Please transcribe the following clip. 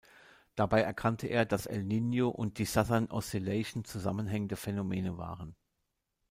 Dabei erkannte er, dass El Niño und die Southern Oscillation zusammenhängende Phänomene waren.